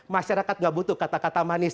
masyarakat gak butuh kata kata manis